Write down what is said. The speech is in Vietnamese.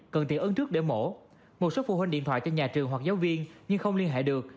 cần tiện ứng trước để mổ một số phụ huynh điện thoại cho nhà trường hoặc giáo viên nhưng không liên hệ được